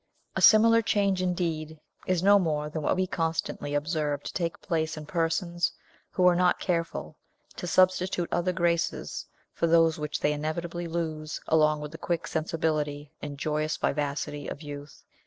A similar change, indeed, is no more than what we constantly observe to take place in persons who are not careful to substitute other graces for those which they inevitably lose along with the quick sensibility and joyous vivacity of youth.